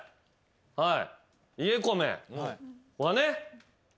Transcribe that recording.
はい。